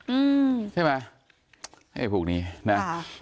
อืมใช่ไหมอภูมินี้น่ะ